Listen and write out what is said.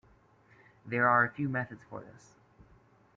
There are a few methods for this.